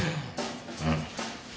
うん。